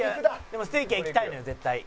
「でもステーキはいきたいのよ絶対。